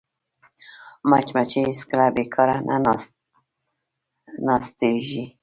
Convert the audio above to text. مچمچۍ هېڅکله بیکاره نه ناستېږي